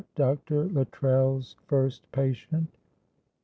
DR. LUTTRELL'S FIRST PATIENT.